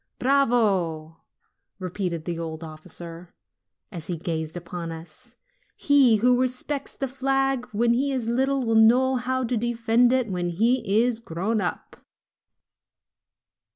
"Bravo !" repeated the old officer, as he gazed upon us; "he who respects the flag when he is little will know how to defend it when he is grown up."